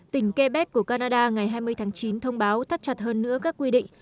tỉnh quebec của canada ngày hai mươi tháng chín thông báo thắt chặt hơn nữa các quy định